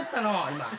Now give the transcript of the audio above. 今。